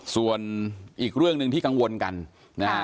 ส่วนอีกเรื่องหนึ่งที่กังวลกันนะฮะ